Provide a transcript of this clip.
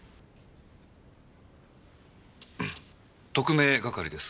特命係です。